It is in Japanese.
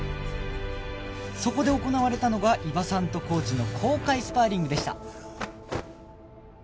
そこで行われたのが伊庭さんとコーチの公開スパーリングでした